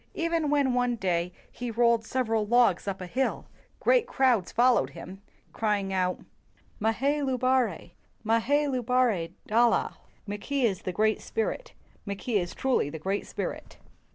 Even when one day he rolled several logs up a hill, great crowds followed him, crying, "Mahay lubare! Makay lubare dala!" ["Mackay is the great spirit; Mackay is truly the great spirit."